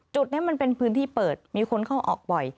จุดนี้มันเป็นพื้นที่เปิดมีคนเข้าออกบ่อย